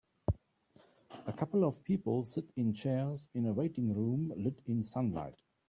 A couple of people sit in chairs in a waiting room lit in sunlight.